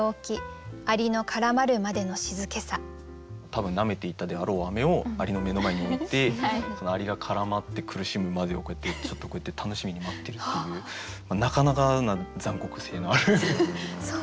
多分なめていたであろうを蟻の目の前に置いてその蟻が絡まって苦しむまでをちょっとこうやって楽しみに待ってるっていうなかなかな残酷性のある。